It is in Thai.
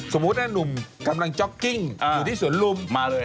สมมุตินั่นนุ่มกำลังจ๊อกกิ้งอ่าอยู่ที่สวนรุมมาเลย